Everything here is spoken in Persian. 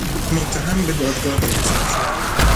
متهم به دادگاه احضار شد.